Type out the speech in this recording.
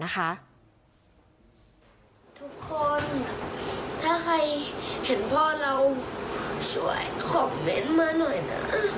ถ้าใครเห็นพ่อเราคอมเมนต์มาหน่อยนะ